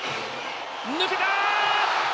抜けた！